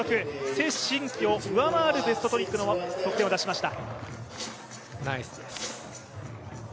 崔宸曦を上回るベストトリックの得点を出しました。